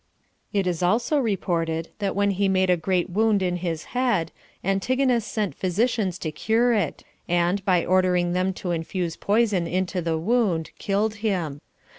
It is also reported, that when he had made a great wound in his head, Antigonus sent physicians to cure it, and, by ordering them to infuse poison into the wound, killed him.